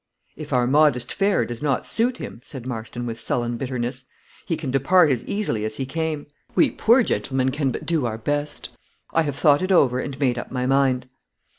"If our modest fare does not suit him," said Marston, with sullen bitterness, "he can depart as easily as he came. We, poor gentlemen, can but do our best. I have thought it over, and made up my mind."